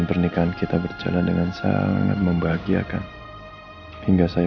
sengaja aku bawa aku ke laut ya